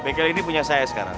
bengkel ini punya saya sekarang